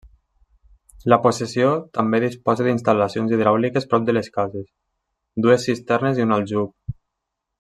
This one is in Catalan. La possessió també disposa d'instal·lacions hidràuliques prop de les cases: dues cisternes i un aljub.